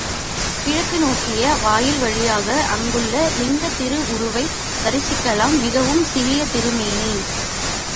கிழக்கு நோக்கிய வாயில் வழியாக அங்குள்ள லிங்கத் திரு உருவைத் தரிசிக்கலாம், மிகவும் சிறிய திருமேனி.